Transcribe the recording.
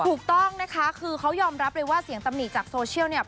ถูกต้องนะคะคือเขายอมรับเลยว่าเสียงตำหนิจากโซเชียลเนี่ย